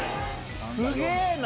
すげぇな！